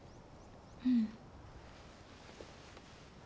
うん。